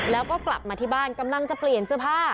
แล้วก็กลับมาที่บ้านกำลังจะเปลี่ยนเสื้อผ้า